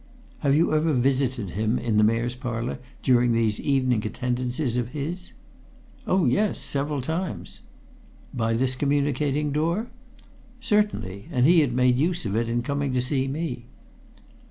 "Had you ever visited him in the Mayor's Parlour during these evening attendances of his?" "Oh, yes several times!" "By this communicating door?" "Certainly. And he had made use of it in coming to see me."